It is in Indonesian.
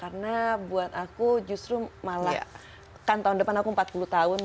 karena buat aku justru malah kan tahun depan aku empat puluh tahun